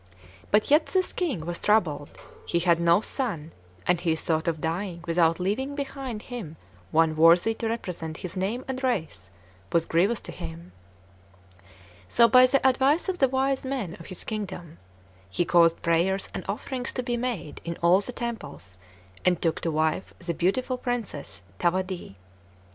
But yet this King was troubled; he had no son, and the thought of dying without leaving behind him one worthy to represent his name and race was grievous to him. So, by the advice of the wise men of his kingdom, he caused prayers and offerings to be made in all the temples, and took to wife the beautiful Princess Thawadee.